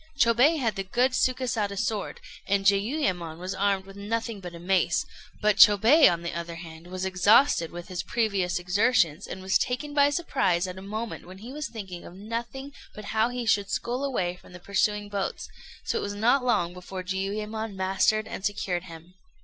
Chôbei had the good Sukésada sword, and Jiuyémon was armed with nothing but a mace; but Chôbei, on the other hand, was exhausted with his previous exertions, and was taken by surprise at a moment when he was thinking of nothing but how he should scull away from the pursuing boats; so it was not long before Jiuyémon mastered and secured him.